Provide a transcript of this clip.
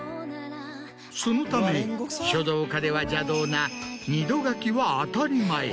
そのため書道家では邪道な２度書きは当たり前。